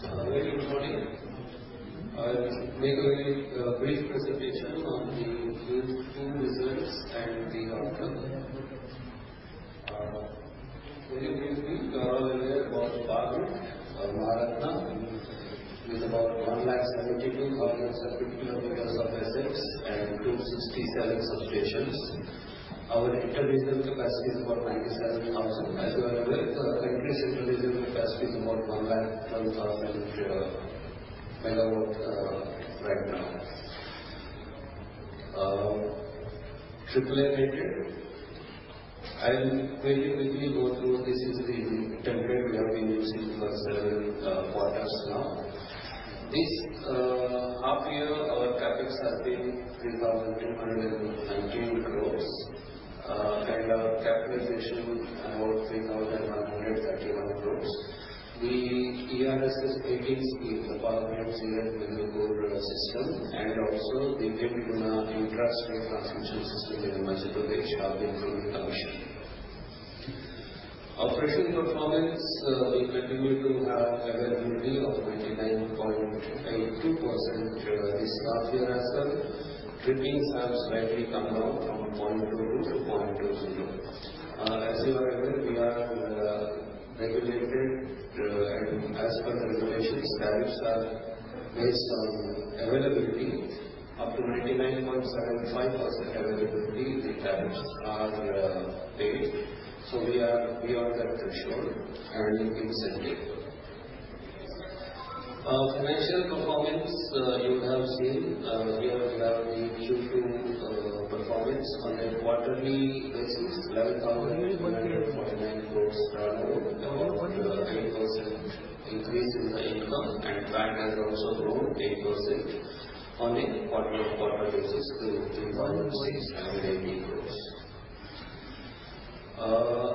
Good morning. I'll make a brief presentation on the Q2 results and the outlook. Very briefly, you are aware about BharatNet, which is about 172,700 kilometers of assets and 267 substations. Our inter-regional capacity is about 97,000. As you are aware, the increased inter-regional capacity is about 110,000 megawatt right now. Triple-A rated. I'll very quickly go through. This is the template we have been using for several quarters now. This half year, our CapEx has been INR 3,319 crores. Our capitalization about INR 3,131 crores. The ERSS-18 scheme, the power plants under the old system and also the PIMDUNA intrastate transmission system in Madhya Pradesh are being commissioned. Operational performance, we continue to have availability of 99.82% this half year as well. Trippings have slightly come down from 0.22 to 0.20. As you are aware, we are regulated, and as per the regulations, tariffs are based on availability. Up to 99.75% availability, the tariffs are fixed. We are quite assured, earning incentives. Financial performance, you would have seen, here we have the Q2 performance on a quarterly basis. INR 11,349 crores revenue, about 10% increase in the income and PAT has also grown 10% on a quarter-on-quarter basis to INR 3.678 crores.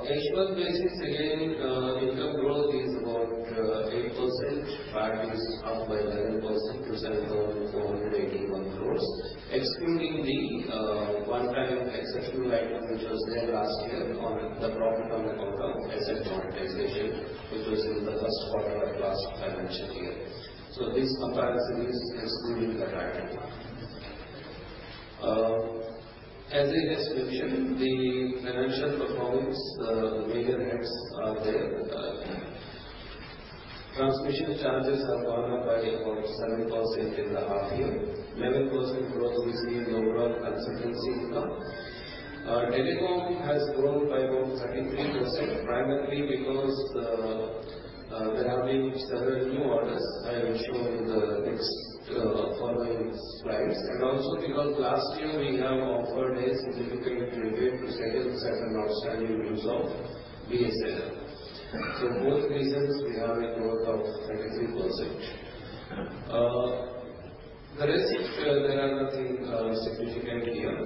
H1 basis again, income growth is about 8%. PAT is up by 11% to 7,481 crores. Excluding the one-time exceptional item which was there last year on the profit on account of asset monetization, which was in the first quarter of last financial year. This comparison is excluding that item. As I just mentioned, the financial performance, major heads are there. Transmission charges have gone up by about 7% in the half year. 11% growth we see in the overall consultancy income. Telecom has grown by about 33%, primarily because there have been several new orders I will show in the next following slides, also because last year we have offered a significant repayment to settle certain outstanding dues of BSNL. Both reasons we have a growth of 33%. The rest, there are nothing significant here.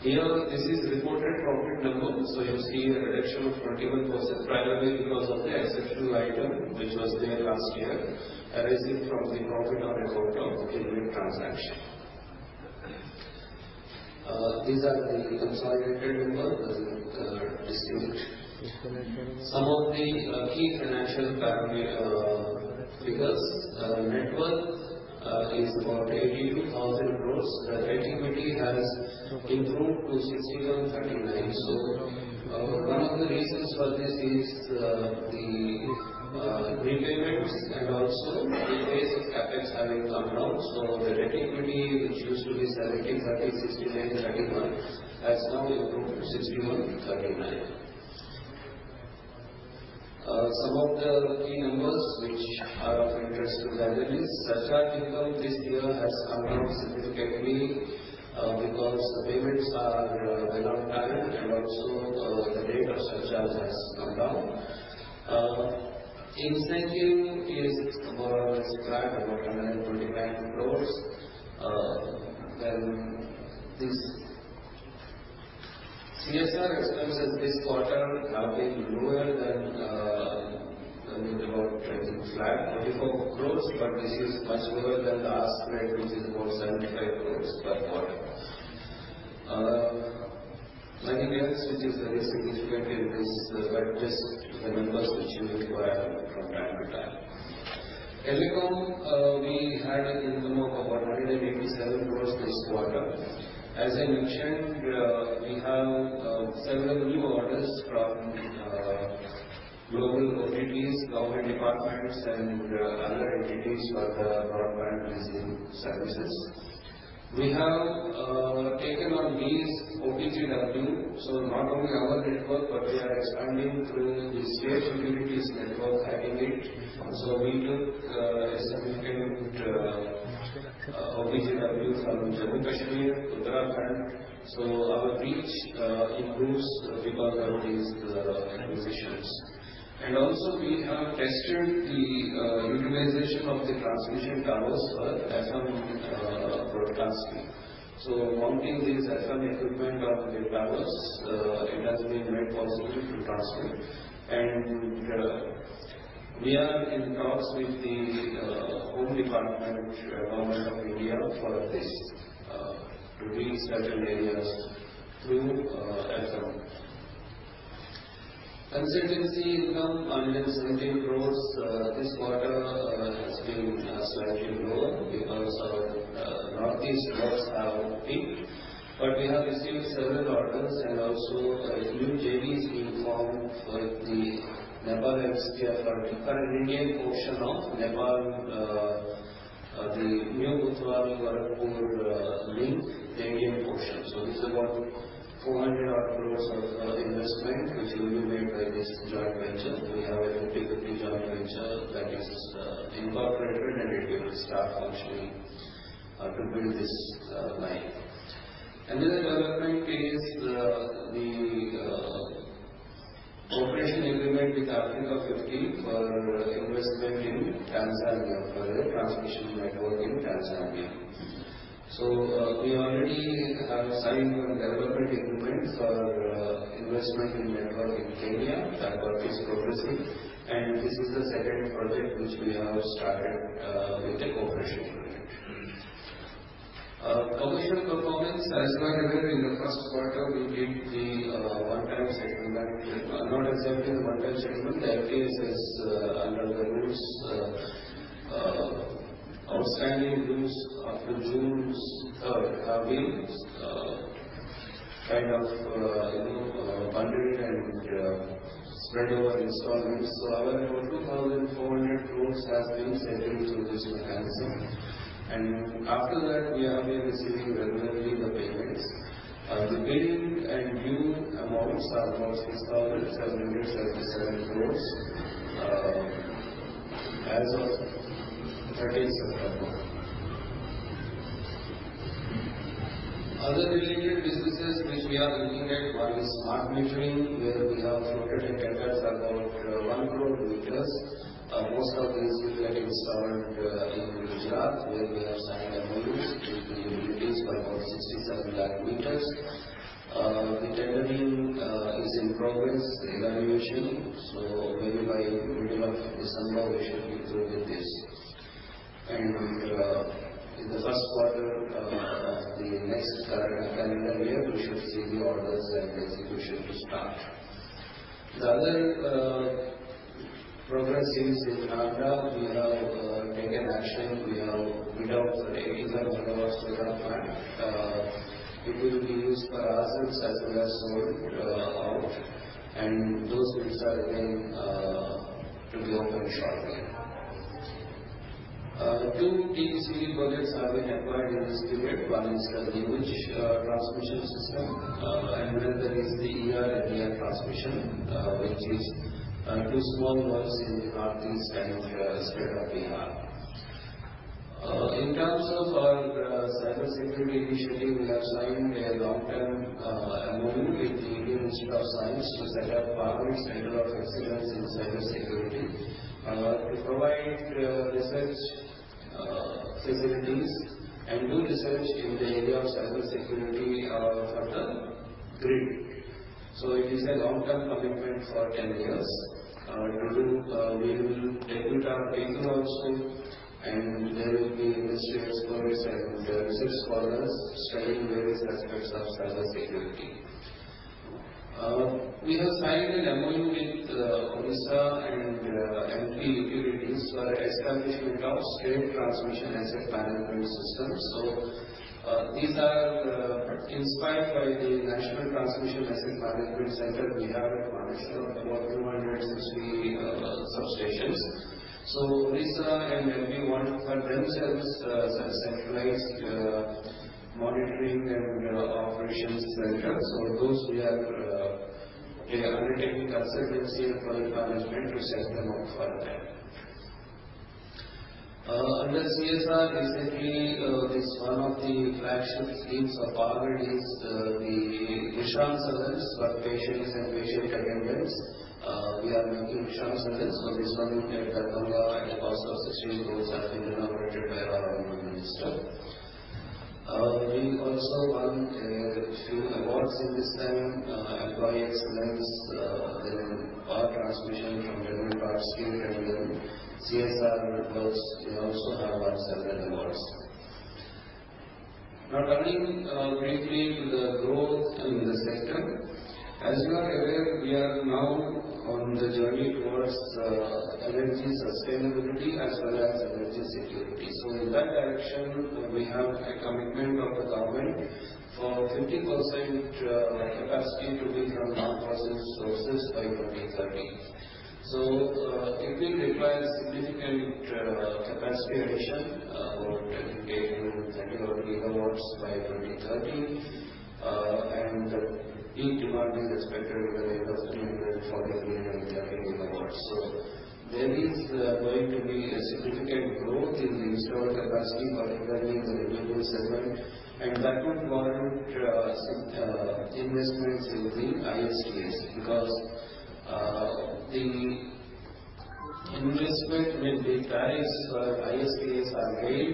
Here this is reported profit number. You see a reduction of 21%, primarily because of the exceptional item which was there last year arising from the profit on account of the monetisation transaction. These are the consolidated number, distributed. Some of the key financial figures. Net worth is about INR 82,000 crore. The debt equity has improved to 61:39. One of the reasons for this is the repayments and also the base CapEx having come down. The debt equity, which used to be 73:69:31, has now improved to 61:39. Some of the key numbers which are of interest to the analysts. Surcharge income this year has come down significantly, because payments are well on time and also, the rate of surcharge has come down. Incentive is more or less flat, about INR 125 crore. Then this CSR expenses this quarter have been lower than, I think about 24 crores, but this is much lower than the ask rate which is about INR 75 crore per quarter. Monetization, which is very significant increase, but just the numbers which you require from time to time. Telecom, we had an income of about 187 crore this quarter. As I mentioned, we have several new orders from local entities, government departments and other entities for the broadband leasing services. We have taken on lease OPGW. Not only our network, but we are expanding through the state utilities network having it. We took a significant OPGW from Jammu & Kashmir, Uttarakhand. Our reach improves because of these acquisitions. We have also tested the utilization of the transmission towers for FM broadcasting. Mounting these FM equipment on the towers, it has been made possible through Transco. We are in talks with the Department, Government of India for this, to reach certain areas through ANPM. Consultancy income, 117 crores. This quarter has been slightly lower because our northeast works have peaked. We have received several orders and also a new JV is being formed for the Nepal MSPTC for an Indian portion of Nepal, the new Butwal-Gorakhpur link, the Indian portion. This is about 400 odd crores of investment which will be made by this joint venture. We have a 50-50 joint venture that is incorporated, and it will start functioning to build this line. Another development is the cooperation agreement with Africa50 for investment in Tanzania, for a transmission network in Tanzania. We already have signed a development agreement for investment in network in Kenya. That work is progressing. This is the second project which we have started with a cooperation agreement. Commercial performance, as you are aware, in the first quarter, we did the one-time settlement. Not exactly the one-time settlement. The case is, under the rules, outstanding dues up to June 3 have been kind of you know bundled and spread over installments. However, INR 2,400 crores has been settled through this mechanism. After that, we have been receiving regularly the payments. The pending and due amounts are about INR 6,777 crores as of 13th September. Other related businesses which we are looking at, one is smart metering, where we have floated a tender for about 1 crore meters. Most of these will be installed in Gujarat, where we have signed an MOU with the utilities for about 67 lakh meters. The tendering is in progress, the evaluation. Maybe by middle of December, we should be through with this. In the first quarter of the next calendar year, we should see the orders and the execution to start. The other progress is in Andhra. We have taken action. We have bid out the APGM 1,000 plant. It will be used for ourselves as well as sold out. Those plants are looking to be opened shortly. 2 PVC projects have been acquired in this period. One is the Bhuj transmission system. There is the ER and ER transmission which is 2 small projects in Northeast and state of ER. In terms of our cybersecurity initiative, we have signed a long-term MOU with the Indian Institute of Science to set up POWERGRID Center of Excellence in Cybersecurity to provide research facilities and do research in the area of cybersecurity for the grid. It is a long-term commitment for 10 years. We will depute our people also, and there will be industry experts and research scholars studying various aspects of cybersecurity. We have signed an MOU with Odisha and MP Utilities for establishment of state transmission asset management system. These are inspired by the National Transmission Asset Management Center. We have at Power Grid about 260 substations. Odisha and MP want for themselves a centralized monitoring and operations center. Those we are undertaking consultancy and project management to set them up for them. Under CSR recently, this one of the flagship schemes of Power Grid is the Vishram Sadan for patients and patient attendants. We are making Vishram Sadans. This one at Durgapur at a cost of INR 16 crore has been inaugurated by our honorable minister. We also won a few awards in this time, employee excellence, then power transmission from Tamil Nadu Power State, and then CSR works. We also have won several awards. Now turning briefly to the growth in the sector. A s you are aware, we are now on the journey towards energy sustainability as well as energy security. In that direction, we have a commitment of the government for 50% capacity to be from non-fossil sources by 2030. It will require significant capacity addition about 10 to 30 odd gigawatts by 2030. The peak demand is expected to increase to around 430 gigawatts. There is going to be a significant growth in the installed capacity for at least the renewable segment, and that would warrant significant investments in the ISTS because the investment made, the tariffs for ISTS are paid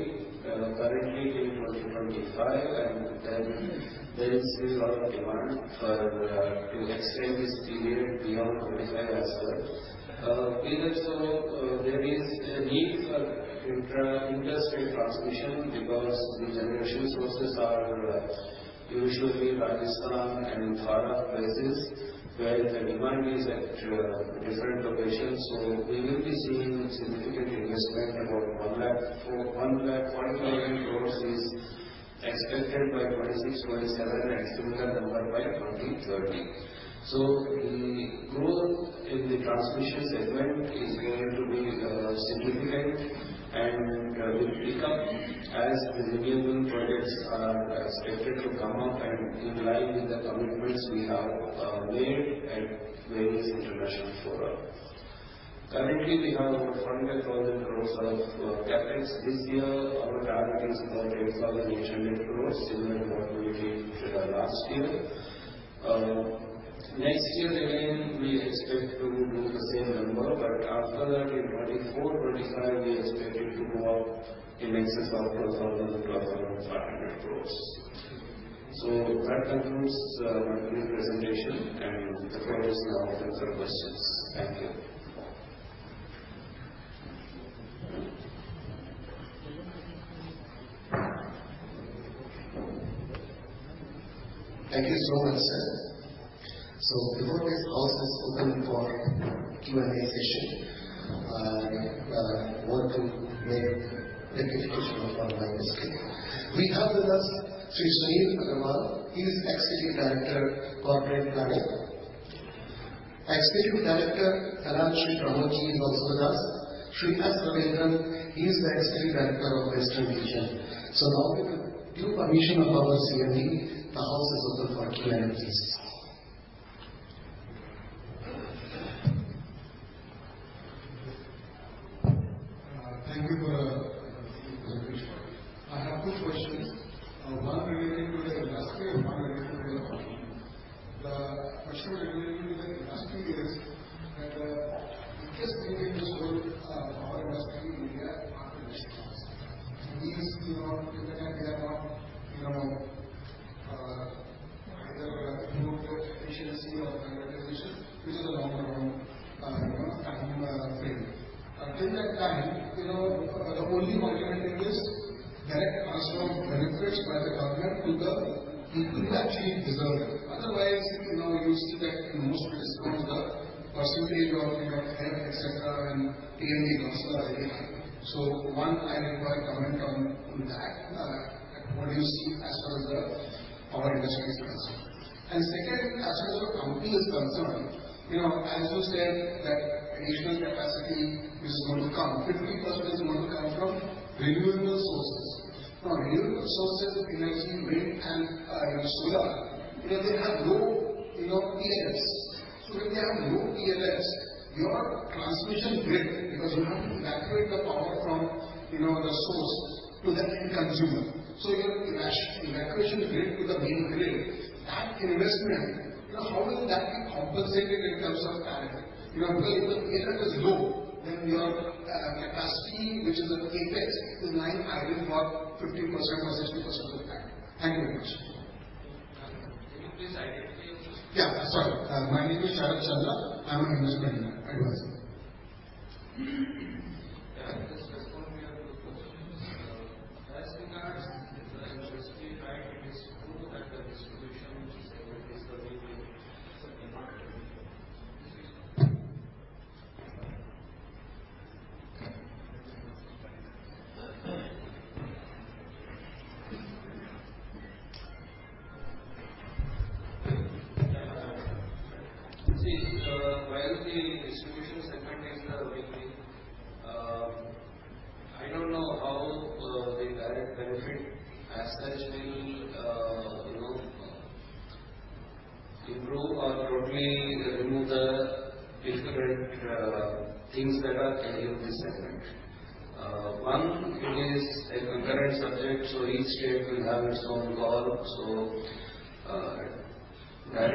currently till 2025, and then there is a lot of demand to extend this period beyond 2025 as well. In itself, there is a need for intra- and inter-state transmission because the generation sources are usually Rajasthan and far off places where the demand is at different locations. We will be seeing significant investment. About INR 1,40,000 crore is expected by 2026-2027 and similar number by 2030. The growth in the transmission segment is going to be significant and will pick up as the renewable projects are expected to come up and in line with the commitments we have made at various international forums. Currently, we have over 100,000 crores of CapEx. This year, our target is 0.85 million crores, similar to what we did last year. Next year again, we expect to do the same number, but after that in 2024, 2025 we are expected to go up in excess of 12,500 crores. That concludes my brief presentation and the floor is now open for questions. Thank you. Thank you so much, sir. Before this house is open for Q&A session, one can make representation of online questions. We have with us Shri Sunil Agarwal. He is Executive Director, Corporate Planning. Executive Director, Finance, Shri Pramod Kumar also with us.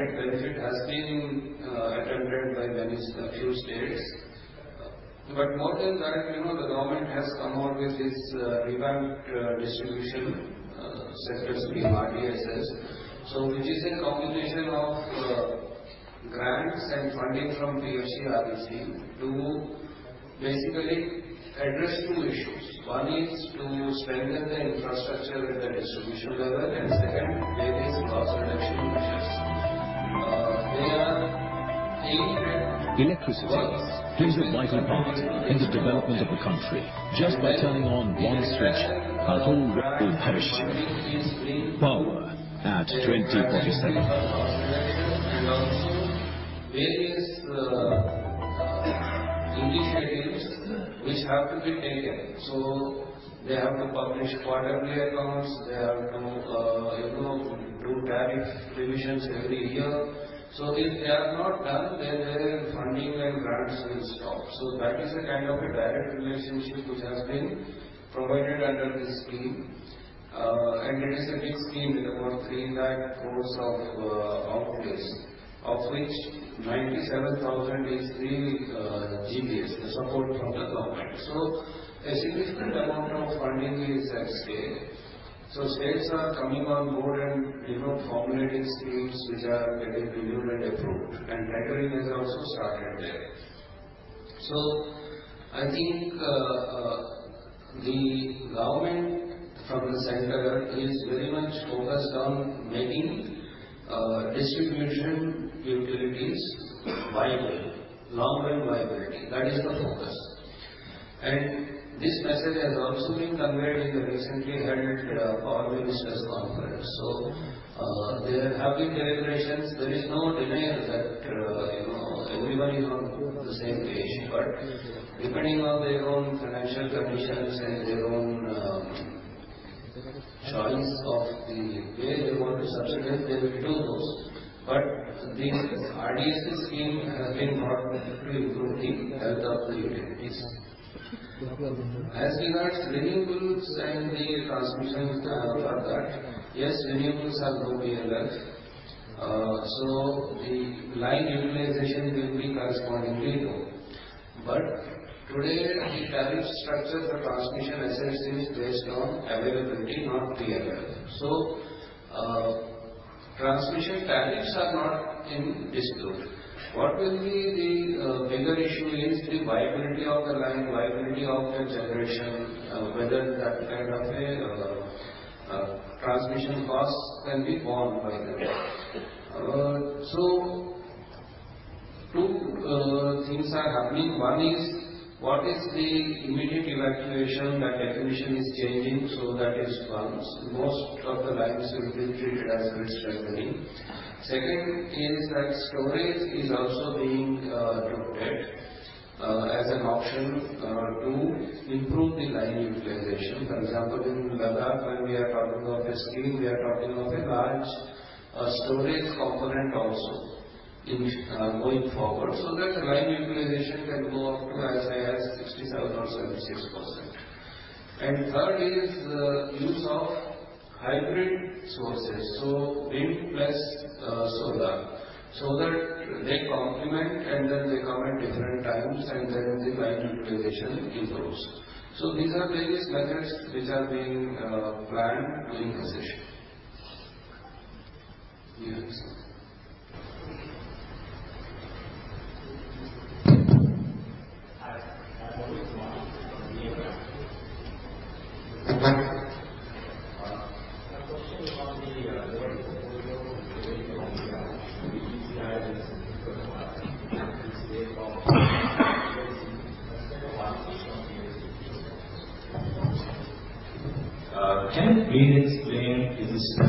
identify yourself? Sorry. My name is Sharat Chandra. I'm an investment analyst. I can just respond to your two questions. As regards the industry, right, it is true that the distribution segment is the weak link. It's a demand link. See, while the distribution segment is the weak link, I don't know how the direct benefit as such will, you know, improve or totally remove the different things that are ailing this segment. One, it is a concurrent subject, so each state will have its own call. Direct benefit has been attempted by many, a few states. But more than that, you know, the government has come out with this Revamped Distribution Sector Scheme, RDSS. Which is a combination of grants and funding from PFC, REC to basically address two issues. One is to strengthen the infrastructure at the distribution level, and second, there is cost reduction measures. They are aimed at- Electricity plays a vital part in the development of the country. Just by turning on one switch, a whole world will flourish. Power at 2047. Cost reduction and also various indigenous measures which have to be taken. They have to publish quarterly accounts. They have to, you know, do tariff revisions every year. If they are not done, then their funding and grants will stop. That is a kind of a direct relationship which has been provided under this scheme. It is a big scheme with about 3 lakh crore of outlays, of which 97,000 crore is free GBS, the support from the government. A significant amount of funding is at stake. States are coming on board and, you know, formulating schemes which are getting reviewed and approved, and metering has also started there. I think the government from the center is very much focused on making distribution utilities viable, long-term viability. That is the focus. This message has also been conveyed in the recently held power minister's conference. They are having their iterations. There is no denial that you know everybody is on the same page. Depending on their own financial conditions and their own choice of the way they want to subsidize, they will do those. This RDSS scheme has been brought to improve the health of the utilities. As regards renewables and the transmission with the help of that, yes, renewables have low PLF. The line utilization will be correspondingly low. Today, the tariff structure for transmission assets is based on availability, not PLF. Transmission tariffs are not in dispute. What will be the bigger issue is the viability of the line, viability of the generation, whether that kind of a transmission costs can be borne by them. Two things are happening. One is what is the immediate evacuation? That definition is changing, so that is one. Most of the lines will be treated as grid strengthening. Second is that storage is also being looked at as an option to improve the line utilization. For example, in Ladakh, when we are talking of a scheme, we are talking of a large storage component also in going forward, so that the line utilization can go up to as high as 67.76%. Third is the use of hybrid sources, so wind plus, solar, so that they complement and then they come at different times, and then the line utilization improves. These are various methods which are being planned during this session. Yes. Hi.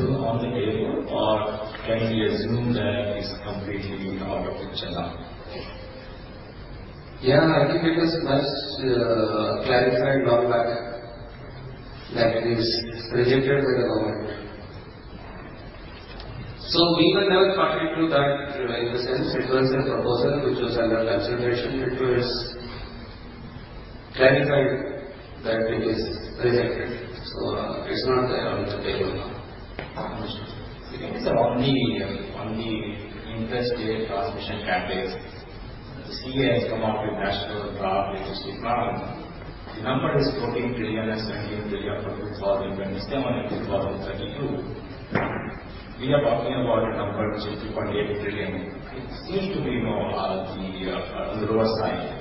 I am Yeah, I think it was much clarified long back that it is rejected by the government. We were never party to that. In the sense it was a proposal which was under consideration. It was clarified that it is rejected. It's not there on the table now. Understood. Sir, on the inter-state transmission tariffs, CEA has come up with national draft regulatory model. The number is 14 trillion and 17 trillion for 2027 and 2032. We are talking about a number which is 2.8 trillion. It seems to be more on the lower side.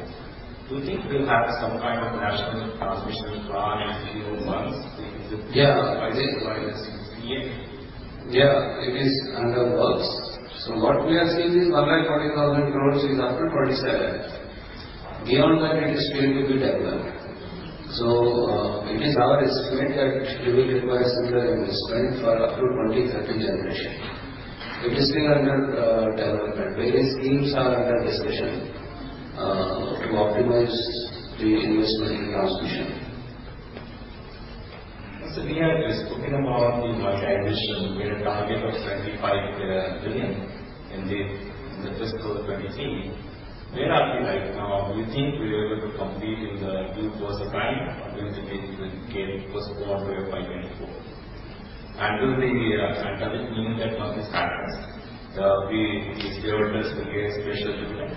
Do you think we'll have some kind of national transmission plan in a few more months? Yeah. In place by this year? Yeah, it is in the works. What we are seeing is 1,40,000 crore up to 2027. Beyond that it is still to be developed. It is our estimate that it will require similar investment for up to 2030 generation. It is still under development. Various schemes are under discussion to optimize the investment in transmission. We are just talking about the merchant addition. We have a target of 75 billion in the fiscal 2023. Where are we right now? Do you think we are able to complete in the due course of time or will it again get pushed forward to by 2024? Does it mean that once this happens, we, the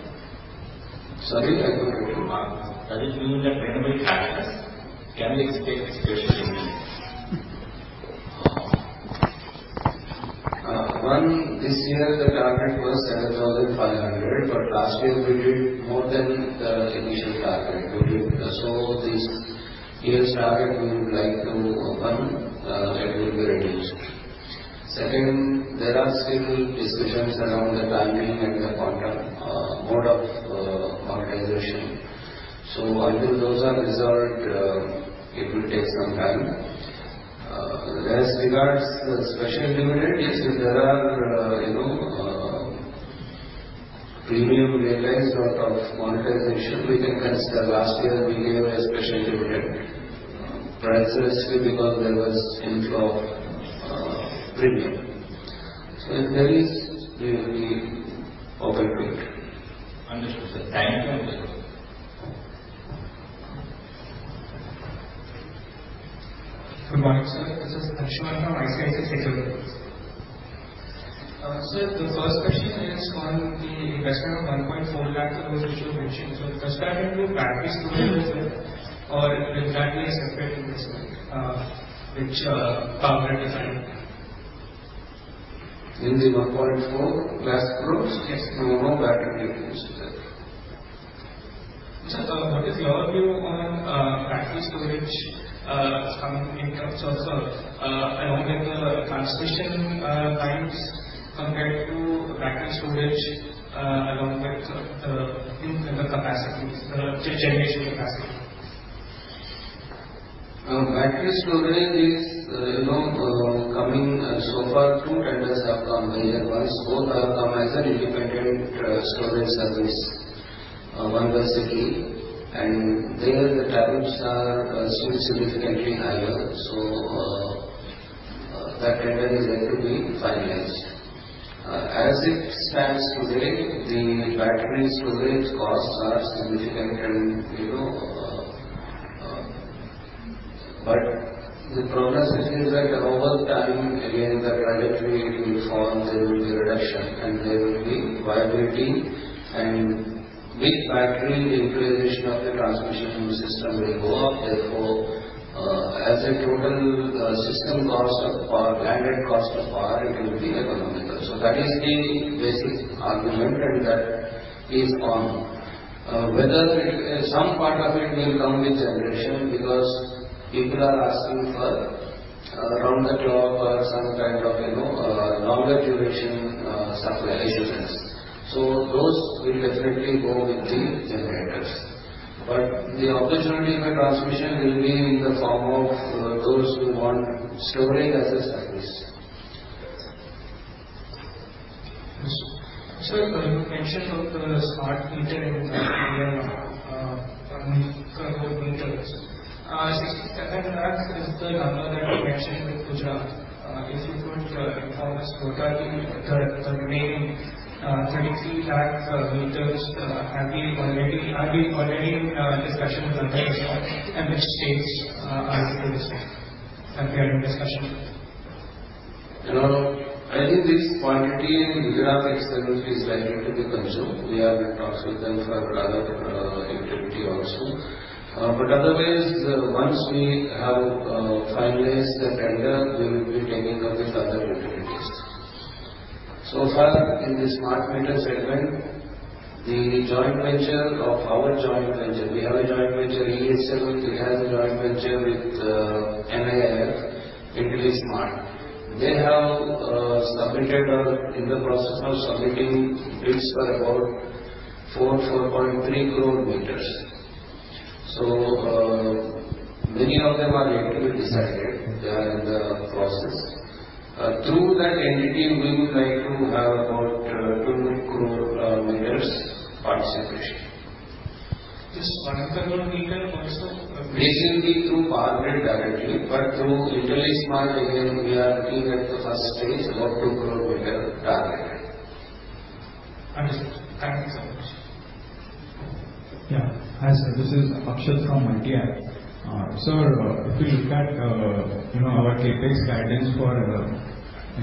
stakeholders will get special dividends? Sorry, I couldn't get you. Does it mean that whenever it happens, can we expect special dividends? One, this year the target was 7,500, but last year we did more than the initial target. This year's target, we would like to open, it will be reduced. Second, there are still discussions around the planning and the contract mode of monetization. Until those are resolved, it will take some time. As regards the special dividend, yes, if there are, you know, premium realized out of monetization, we can consider. Last year we gave a special dividend, precisely because there was inflow of premium. If there is, we will be open to it. Understood, sir. Thank you. I understand. Good morning, sir. This is Harshad from ICICI Securities. The first question is on the investment of INR 1.4 lakh crore, which you mentioned. Does that include battery storage as well, or the battery is separate investment, which PowerGrid is having? In the INR 1.4+ crores- Yes. No more but he includes that. Sir, what is your view on battery storage in terms of along with the transmission lines compared to battery storage along with in the capacities generation capacity? Battery storage is, you know, coming. So far, two tenders have come there. Both have come as an independent storage service, one by SECI. There, the tariffs are still significantly higher. That tender is yet to be finalized. As it stands today, the battery storage costs are significant and, you know, but the problem is that over time, again, the trajectory it will fall, there will be reduction and there will be viability and with battery, the utilization of the transmission system will go up. Therefore, as a total system cost of power, landed cost of power, it will be economical. That is the basic argument, and that is on. Whether some part of it will come with generation because people are asking for round the clock or some kind of, you know, longer duration supply assurance. Those will definitely go with the generators. The opportunity for transmission will be in the form of those who want storage as a service. Yes. Sir, you mentioned the smart meter for both retailers. Sixty-seven lakhs is the number that you mentioned with Gujarat. If you could inform us the remaining thirty-three lakhs meters have been already—are we already in discussion with other states? Which states are we discussing and we are in discussion with? You know, I think this quantity in Gujarat itself is likely to be consumed. We are in talks with them for other utility also. Otherwise, once we have finalized the tender, we will be taking up with other utilities. So far, in the smart meter segment, the joint venture of our joint venture, EESL, which has a joint venture with NIIF IntelliSmart. They have submitted or in the process for submitting bids for about 4.3 crore meters. Many of them are yet to be decided. Through that entity, we would like to have about 2 crore meters participation. This 1.5 crore meter, what is the? This will be through PowerGrid directly, but through IntelliSmart, again, we are looking at the first phase, about 2 crore meter target. Understood. Thank you so much. Yeah. Hi, sir, this is Akshat from Multi-Act. Sir, if you look at, you know, our CapEx guidance for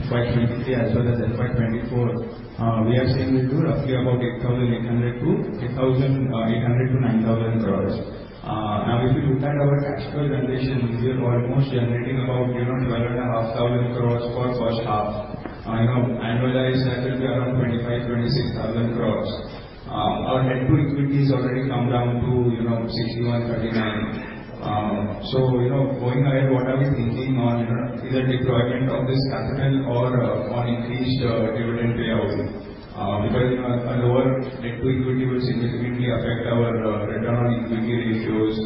FY 2023 as well as FY 2024, we are saying it to roughly about INR 8,800 crore-INR 9,000 crore. Now, if you look at our cash flow generation, we are almost generating about, you know, 12,500 crore for H1. You know, annualized, that will be around 25,000-26,000 crore. Our net debt to equity has already come down to, you know, 61:39. You know, going ahead, what are we thinking on, you know, either deployment of this capital or on increased dividend payout? Because, you know, a lower net debt to equity will significantly affect our return on equity ratios.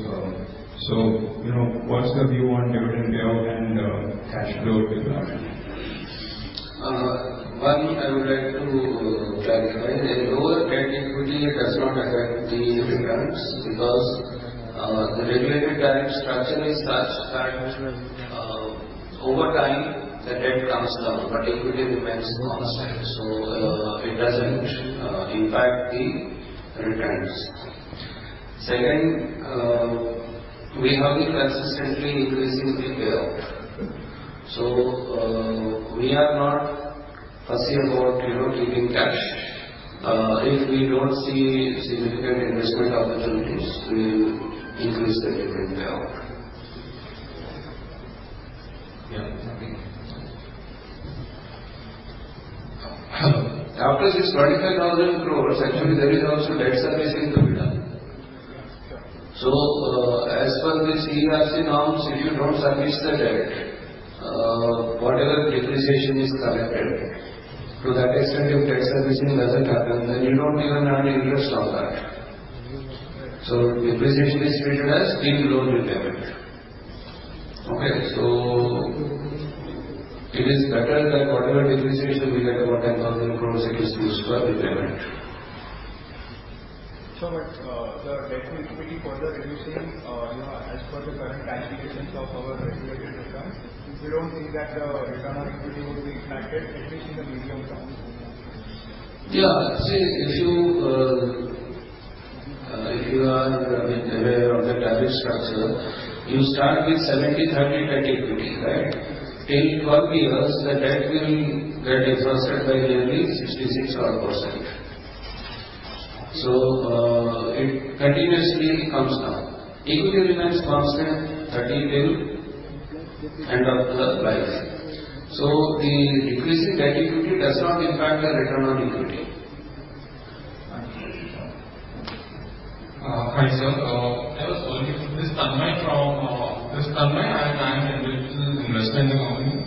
You know, what's the view on dividend payout and cash flow deployment? One, I would like to clarify. The lower debt equity does not affect the returns because the regulated tariff structure is such that over time the debt comes down, but equity remains constant. It doesn't impact the returns. Second, we have been consistently increasing the payout. We are not fussy about, you know, keeping cash. If we don't see significant investment opportunities, we will increase the dividend payout. Yeah. Thank you. After this 25,000 crore, actually there is also debt servicing to be done. Sure. As per this CERC norms, if you don't service the debt, whatever depreciation is collected, to that extent if debt servicing doesn't happen, then you don't even earn interest on that. Mm-hmm. Depreciation is treated as pre-loan repayment. Okay? It is better that whatever depreciation we get, about 10,000 crore, it is used for repayment. Sure, the debt to equity further reducing, you know, as per the current tariff decisions of our regulated assets, you don't think that return on equity will be impacted at least in the medium term? Yeah. See, if you are, you know, aware of the target structure, you start with 70-30 debt equity, right? In 12 years, the debt will get exhausted by nearly 66 odd %. It continuously comes down. Equity remains constant, 30 till end of the life. The decreasing debt equity does not impact the return on equity. Hi, sir. This is Tanmay from Anand Rathi Financial Services.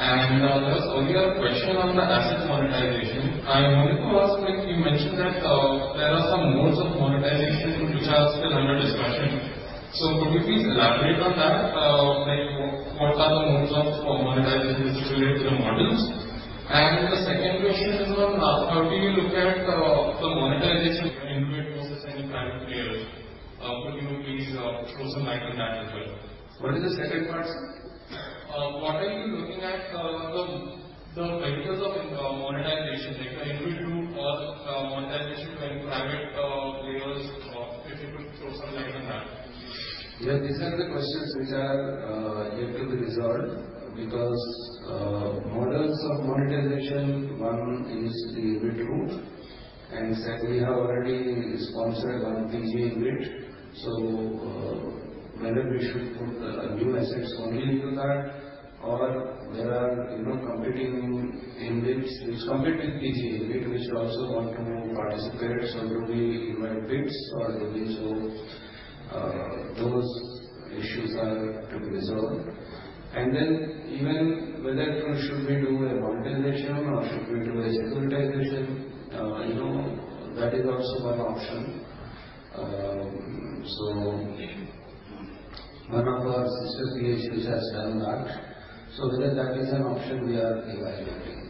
There was earlier question on the asset monetization. I wanted to ask, like you mentioned, that there are some modes of monetization which are still under discussion. Could you please elaborate on that? Like what are the modes of monetization with relation to the models? The second question is on how do you look at the monetization involving any private players? Could you please throw some light on that as well? What is the second part? What are you looking at, the vehicles of monetization, like the InvIT route or monetization by private players? If you could throw some light on that. Yeah, these are the questions which are yet to be resolved because models of monetization, one is the InvIT route, and we have already sponsored one PGInvIT. Whether we should put the new assets only into that or there are, you know, competing InvITs, which compete with PGInvIT, we should also want to participate. Do we invite bids or do we? Those issues are to be resolved. Whether we should do a monetization or should we do a securitization? You know, that is also one option. One of our sister PSUs has done that. Whether that is an option we are evaluating.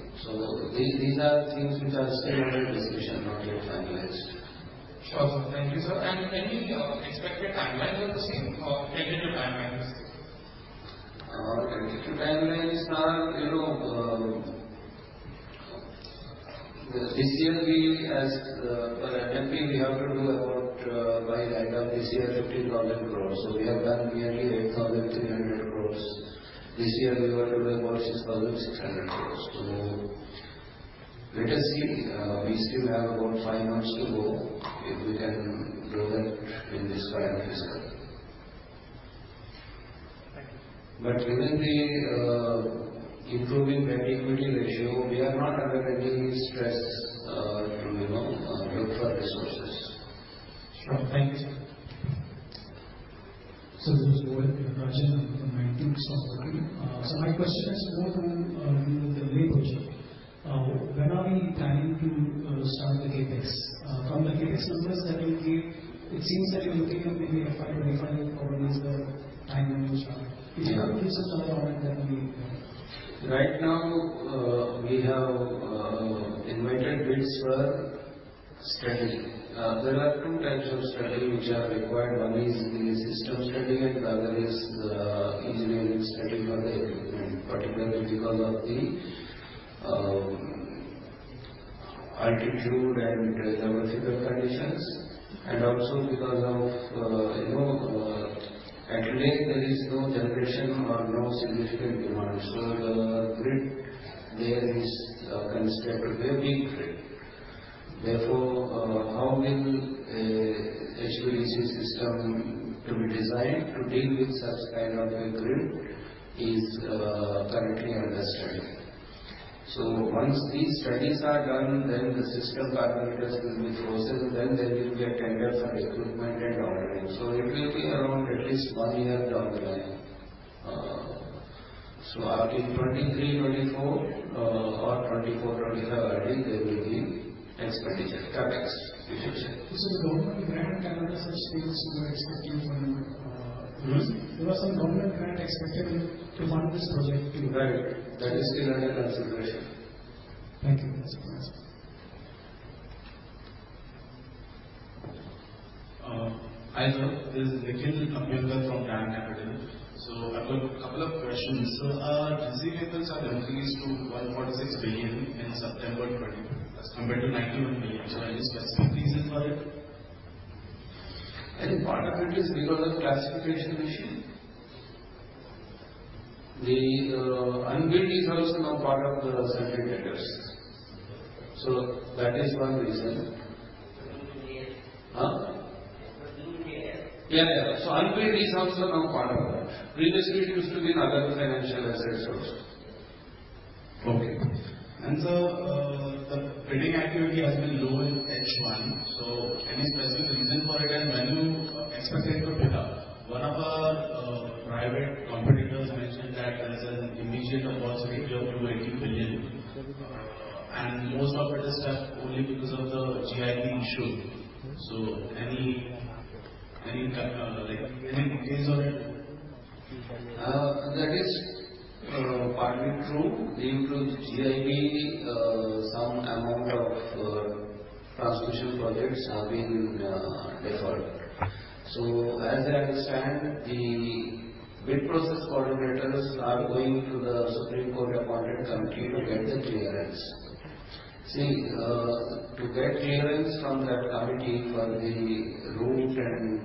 These are things which are still under discussion, not yet finalized. Sure. Thank you, sir. Can we expect a timeline on the same or tentative timelines? Tentative timelines are, you know. This year, as per MoP, we have to do about by adding up this year 15,000 crores. We have done nearly 8,300 crores. This year we want to do about 6,600 crores. Let us see. We still have about five months to go, if we can do that in this current fiscal. Thank you. Within the improving debt equity ratio, we are not under any stress to you know look for resources. Sure. Thanks. Sir, this is Mohan Rajan from 1990s Software. My question is more on, you know, the Leh project. When are we planning to start the CapEx? From the CapEx numbers that you gave, it seems that you're looking at maybe FY 25 as probably is the timeline to start. Yeah. Which are the recent other projects that will be? Right now, we have invited bids for study. There are two types of study which are required. One is the system study and the other is engineering study, particularly because of the altitude and topographical conditions and also because of you know at Leh there is no generation or no significant demand. The grid there is a considerably weak grid. Therefore, how will a HVDC system to be designed to deal with such kind of a grid is currently under study. Once these studies are done, the system parameters will be frozen. There will be a tender for procurement and ordering. It will be around at least one year down the line. After 2023-24 or 2024-25 already there will be expenditure, CapEx expenditure. This is government grant and other such things you are expecting from. Mm-hmm. There was some government grant expected to fund this project too. Right. That is still under consideration. Thank you. That's all. Hi, sir. This is Nikhil Abhinkar from DAM Capital. I've got a couple of questions. DCA accounts have increased to 1.6 billion in September 2022 as compared to 91 million. Any specific reason for it? I think part of it is because of classification issue. The unbilled is also now part of the settled debtors. That is one reason. Sir, DCA? Huh? Sir, DCA? Yeah. Unbilled is also now part of that. Previously it used to be in other financial assets also. Okay. Sir, the trading activity has been low in H1, so any specific reason for it? When you expect it to pick up? One of our private competitors mentioned that there's an allotment of about INR 72 million, and most of it is stuck only because of the GIB issue. Any kind, like any views on it? That is partly true. Due to the GIB, some amount of transmission projects have been deferred. As I understand, the bid process coordinators are going to the Supreme Court-appointed committee to get the clearance. See, to get clearance from that committee for the route and,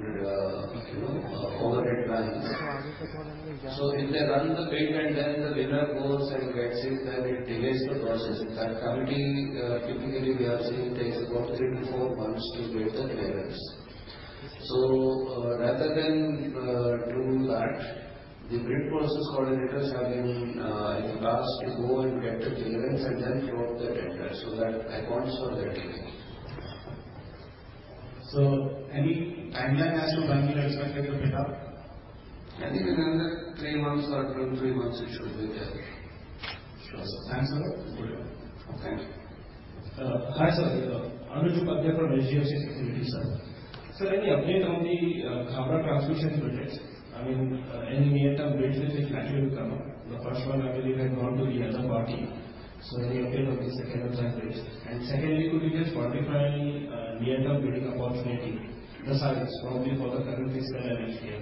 you know, overhead lines. If they run the bid and then the winner goes and gets it, then it delays the process. That committee, typically we are seeing takes about 3-4 months to get the clearance. Rather than do that, the bid process coordinators have been tasked to go and get the clearance and then float the tender so that it can start. Any timeline as to when we can expect like the bid out? I think another 3 months or 2, 3 months it should be there. Sure. Thanks, sir. Okay. Hi, sir. Anuj Upadhyay from HDFC Securities, sir. Sir, any update on the Khavda transmission projects? I mean, any near-term bids which is likely to come up. The first one I believe had gone to the other party. Any update on the second or third bids? Secondly, could you just quantify near-term bidding opportunity, the size probably for the current fiscal and next year?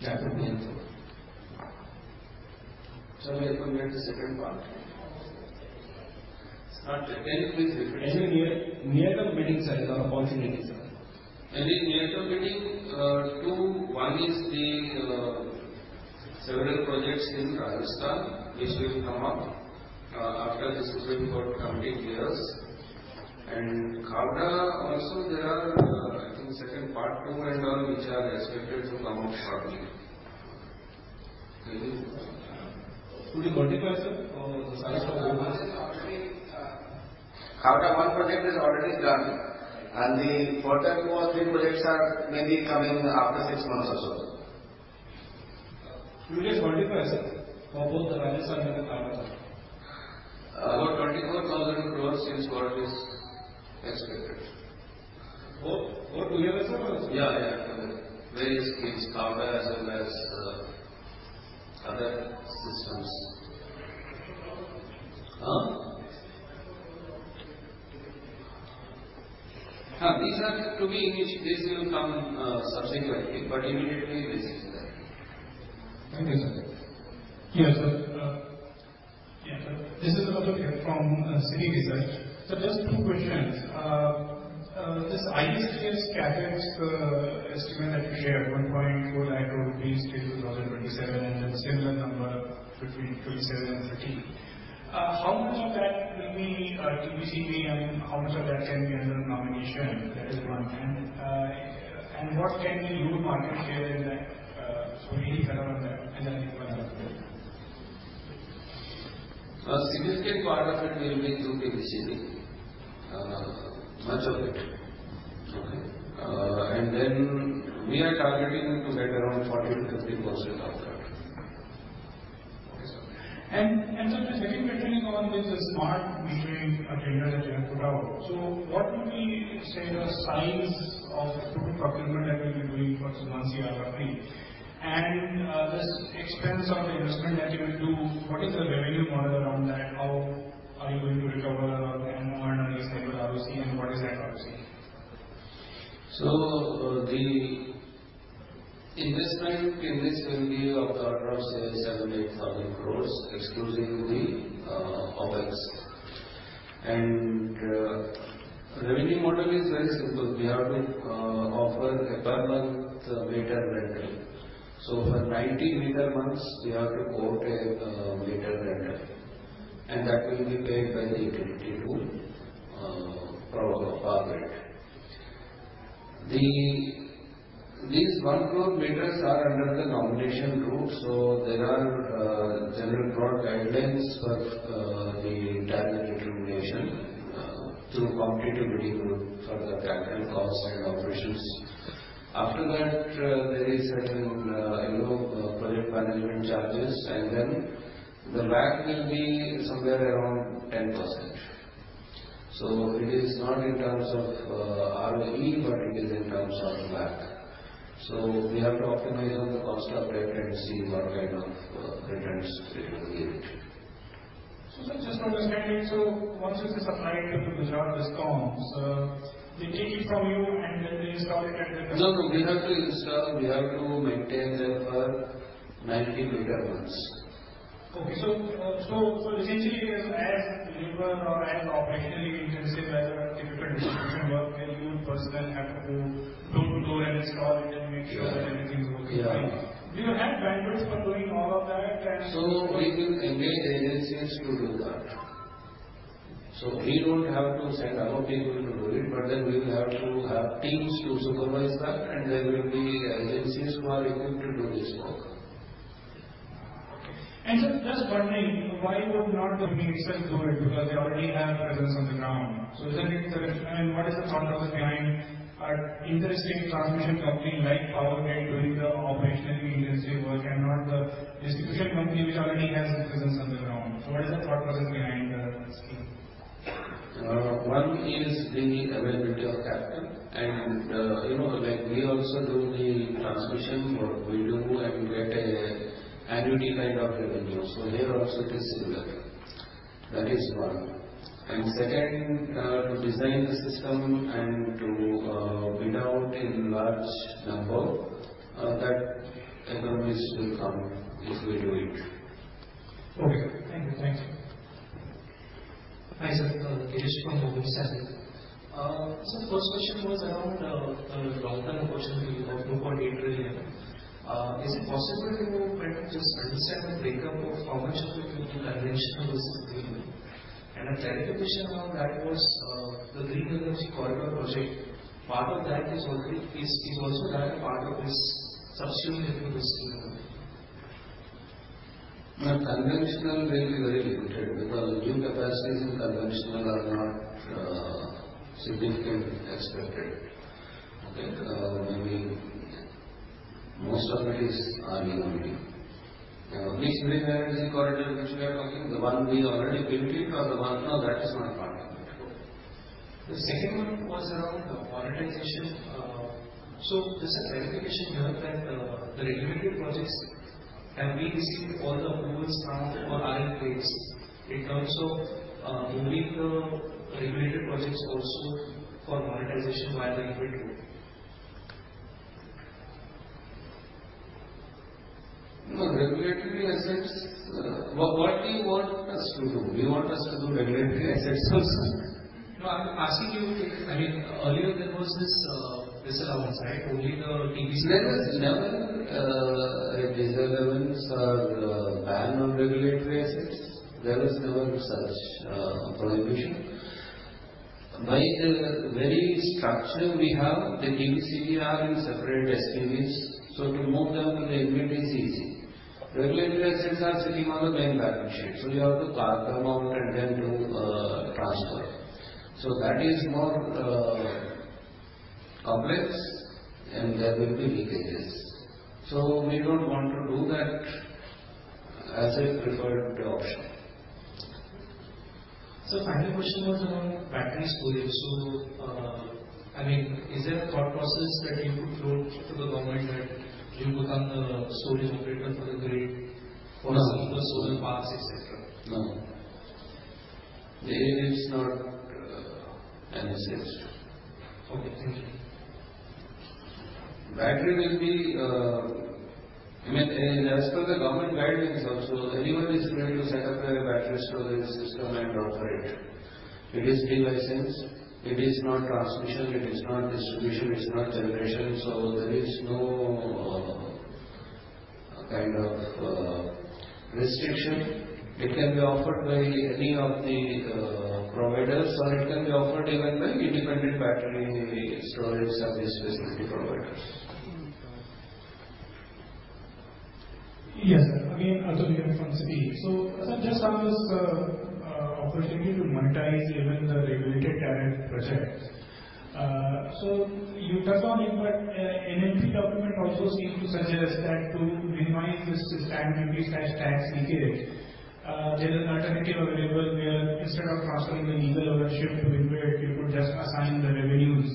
That would be helpful. Sir, may I complete the second part? Start there. Can you please repeat? Any near-term bidding size opportunity, sir? Any near-term bidding too. One is the several projects in Rajasthan which will come up after the Supreme Court completely hears. Khavda also there are, I think second part too and all which are expected to come out shortly. Could you quantify, sir, for the size of the? Khavda 1 project is already done and the further 2 or 3 projects are maybe coming after 6 months or so. Could you just quantify, sir, for both the Rajasthan and the Khavda one? About INR 24,000 crore is what is expected. Both together or. Yeah, yeah. Various schemes, Khavda as well as other systems. Now these are to be initially, this will come subsequently but immediately this is there. Thank you, sir. Yeah, sir. Yeah, this is Anuj from Citi. Just two questions. This CapEx estimate that you shared, 1.4 lakh crore rupees till 2027 and then similar number between 2027 and 2030. How much of that will be TBCB? How much of that can be under nomination? That is one. What can be your market share in that, so maybe around that and then the other one. A significant part of it will be through PGCIL. Much of it. We are targeting to get around 40-50% of that. Okay, sir. The second question is on this smart metering tender that you have put out. What will be, say, the size of equipment procurement that you'll be doing for IntelliSmart or Adani? This expense or the investment that you will do, what is the revenue model around that? How are you going to recover your CapEx and what is that policy? The investment in this will be of the order of say 7,000-8,000 crore excluding the OpEx. Revenue model is very simple. We have to offer a per month meter rental. For 90 meter months we have to quote a meter rental and that will be paid by the utility to Power Grid. These one crore meters are under the nomination route so there are general broad guidelines for the entire determination through competitive bidding route for the capital costs and operations. After that, there is certain, you know, project management charges and then the WACC will be somewhere around 10%. It is not in terms of ROE but it is in terms of WACC.We have to optimize on the cost of debt and see what kind of returns it will give. Just to understand it, so once this is supplied to Gujarat Discoms, they take it from you and then they install it at their- No, no. We have to install. We have to maintain them for 90 meter months. Essentially as labor-intensive or as operationally intensive as a typical distribution work where your own personnel have to go door to door and install it and make sure that everything works fine. Yeah. Do you have plans for doing all of that and? We will engage agencies to do that. We don't have to send our people to do it but then we will have to have teams to supervise that and there will be agencies who are equipped to do this work. Okay. Sir, just wondering why wouldn't the company itself do it because they already have presence on the ground. Isn't it, I mean, what is the thought process behind an interstate transmission company like Power Grid doing the operationally intensive work and not the distribution company which already has its presence on the ground? What is the thought process behind the scheme? One is the availability of capital and, you know, like we also do the transmission work we do and get an annuity kind of revenue. Here also it is similar. That is one. Second, to design the system and to bid out in large number, that economies will come if we do it. Okay. Thank you. Thank you. Hi, sir. Girish Nair from Nomura Research. First question was around the long-term approach that you got approved for INR 8 trillion. Is it possible, you know, to just understand the breakup of how much of it will be conventional versus renewable? A clarification around that was the Green Energy Corridor project. Is that also a part of this subsumed into this scheme? No, conventional will be very limited because new capacities in conventional are not significant expected. Okay? Maybe most of it is RE only. Which Green Energy Corridor we are talking? The one we already built it or the one. No, that is not part of it. The second one was around the monetization. Just a clarification here that the regulated projects, have we received all the approvals granted or are in place in terms of moving the regulated projects also for monetization via the InvIT route? No, regulatory assets, what do you want us to do? Do you want us to do regulatory assets also? No, I'm asking you, I mean, earlier there was this, disallowance, right? Only the TBCB- There was never a disallowance or ban on regulatory assets. There was never such prohibition. By the very structure we have, the TBCB are in separate SPVs, so to move them to the InvIT is easy. Regulatory assets are sitting on the main balance sheet, so you have to carve them out and then do transfer. That is more complex and there will be leakages. We don't want to do that as a preferred option. Sir, final question was around battery storage. I mean, is there a thought process that you put forward to the government that you become a storage operator for the grid? No. for surplus solar parks, et cetera? No. There is not any such. Okay, thank you. I mean, as per the government guidelines also, anyone is free to set up a battery storage system and offer it. It is free license. It is not transmission, it is not distribution, it is not generation, so there is no kind of restriction. It can be offered by any of the providers or it can be offered even by independent battery storage service facility providers. Okay. Yes, sir. Again, Arjun here from Citi. Sir, just on this, opportunity to monetize even the regulated tariff projects. You touched on it, but NMP document also seems to suggest that to minimize this simultaneity/tax leakage, there's an alternative available where instead of transferring the legal ownership to InvIT, you could just assign the revenues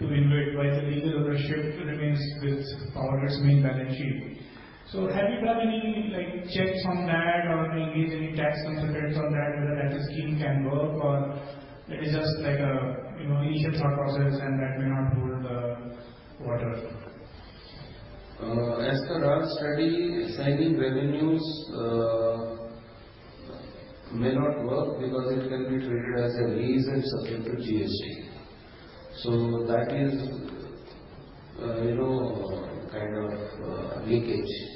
to InvIT while the legal ownership remains with Power Grid's main balance sheet. Have you done any, like, checks on that or engaged any tax consultants on that, whether that scheme can work or that is just like a, you know, initial thought process and that may not hold water? As per our study, assigning revenues may not work because it can be treated as a lease and subjected to GST. That is, you know, kind of, leakage.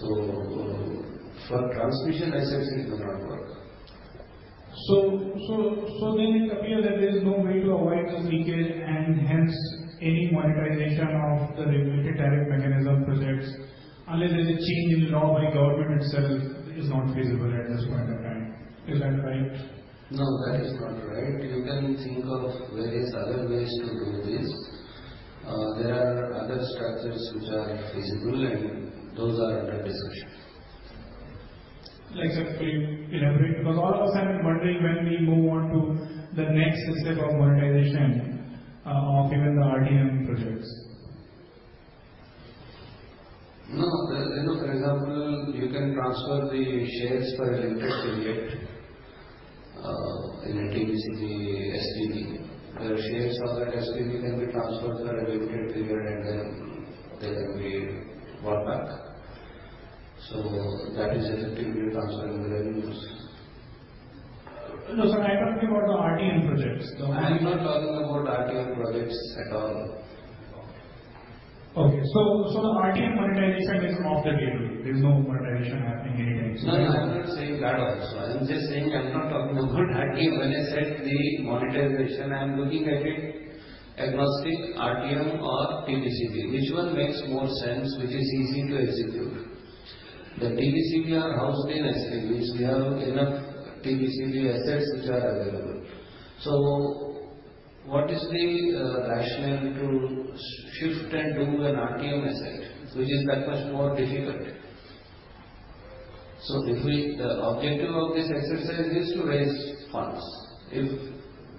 For transmission assets it will not work. It appears that there's no way to avoid this leakage and hence any monetization of the regulated tariff mechanism projects unless there's a change in law by government itself is not feasible at this point of time. Is that right? No, that is not right. You can think of various other ways to do this. There are other structures which are feasible and those are under discussion. Like, sir, can you elaborate? Because all of a sudden I'm wondering when we move on to the next step of monetization, of even the RTM projects. No, you know, for example, you can transfer the shares for a limited period. In a TBCB SPV, the shares of that SPV can be transferred for a limited period and then they can be bought back. That is effectively transferring the revenues. No, sir, I'm talking about the RTM projects. I am not talking about RTM projects at all. The RTM monetization is off the table. There's no monetization happening anytime soon. No, no, I'm not saying that also. I'm just saying I'm not talking about RTM. When I said the monetization, I am looking at it agnostic, RTM or TBCB. Which one makes more sense? Which is easy to execute? The TBCB are housed in SPVs. We have enough TBCB assets which are available. What is the rationale to shift and do an RTM asset which is that much more difficult? The objective of this exercise is to raise funds. If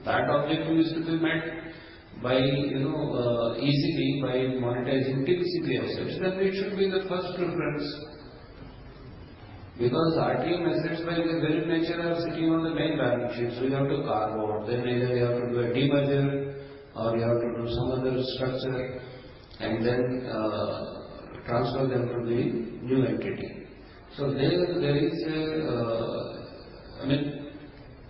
that objective is to be met by, you know, easily by monetizing TBCB assets, then it should be the first preference. Because RTM assets by their very nature are sitting on the main balance sheets, we have to carve out. Either you have to do a demerger or you have to do some other structure and then transfer them to the new entity.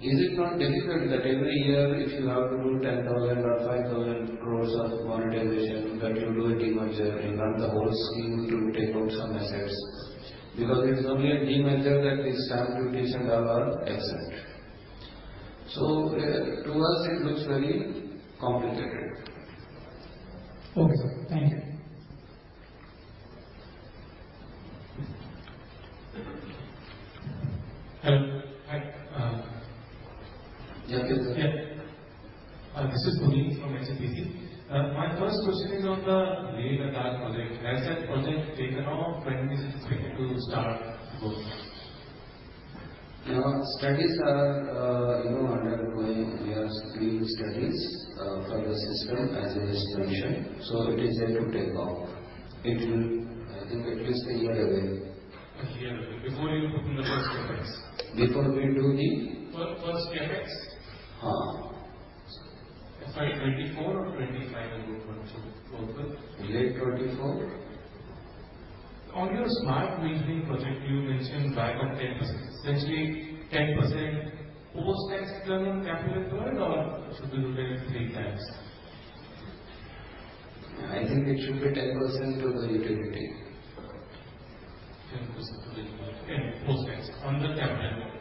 Is it not difficult that every year if you have to do 10,000 crore or 5,000 crore of monetization that you do a demerger, you want the whole scheme to take out some assets because it's only a demerger that the stamp duties and all are exempt. To us it looks very complicated. Okay, sir. Thank you. Hello. Hi. Puneet. Yeah. This is Puneet from HDFC. My first question is on the Leh-Ladakh project. Has that project taken off? When is it expected to start work? Now, studies are, you know, undergoing. We are doing studies, for the system as a whole solution. It is yet to take off. It will, I think, at least a year away. A year away. Before you put in the first CapEx. Before we do the. First CapEx. Huh? Sorry, 24 or 25 it would want to work with. Late 2024. On your smart metering project, you mentioned drive down 10%. Essentially 10% post-tax earning capital employed or it should be looked at 3 times? I think it should be 10% to the utility. 10% to the utility in post-tax on the capital employed.